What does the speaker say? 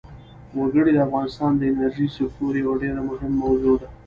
وګړي د افغانستان د انرژۍ سکتور یوه ډېره مهمه برخه ده.